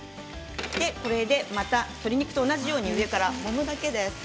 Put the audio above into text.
鶏肉と同じように上からもむだけです。